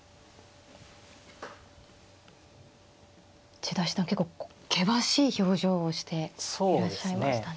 千田七段結構険しい表情をしていらっしゃいましたね。